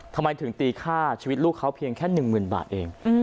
ทำไมถึงตีค่าชีวิตลูกเขาเพียงแค่๑๐๐๐บาทเอง